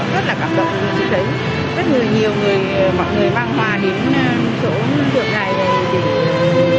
rất là cảm động rất nhiều người mang hoa đến chỗ tượng đài này